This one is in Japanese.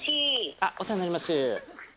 あっ、お世話になります。